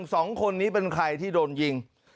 สองคนนี้เป็นใครที่โดนยิง